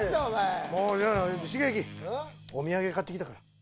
もう茂樹お土産買ってきたから。